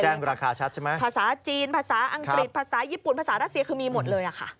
ราคาชัดใช่ไหมภาษาจีนภาษาอังกฤษภาษาญี่ปุ่นภาษารัสเซียคือมีหมดเลยอะค่ะ